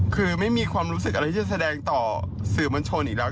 คือไม่มีความรู้สึกอะไรที่จะแสดงต่อสื่อมวลชนอีกแล้ว